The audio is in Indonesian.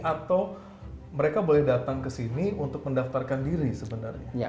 atau mereka boleh datang ke sini untuk mendaftarkan diri sebenarnya